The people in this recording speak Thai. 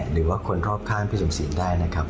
หรือว่าคนรอบข้างพี่สมศรีได้นะครับ